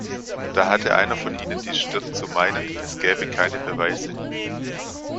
Da hatte einer von ihnen die Stirn zu meinen, es gäbe keine Beweise.